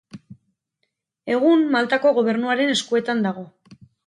Egun Maltako gobernuaren eskuetan dago.